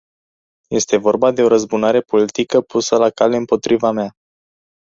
Este vorba de o răzbunare politică pusă la cale împotriva mea.